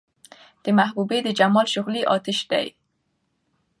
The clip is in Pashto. د محبوبې د جمال شغلې اۤتش دي